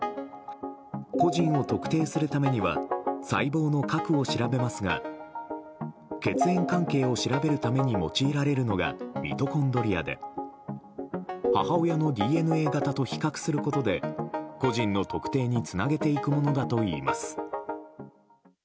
個人を特定するためには細胞の核を調べますが血縁関係を調べるために用いられるのがミトコンドリアで母親のＤＮＡ型と比較することで個人の特定につなげていくものだといいます。